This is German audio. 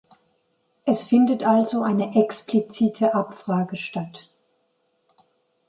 Es findet also eine explizite Abfrage statt.